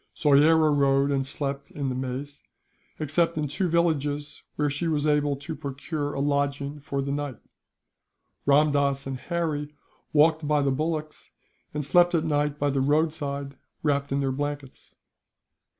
Soyera rode and slept on the maize, except in two villages, where she was able to procure a lodging for the night. Ramdass and Harry walked by the bullocks, and slept at night by the roadside, wrapped in their blankets.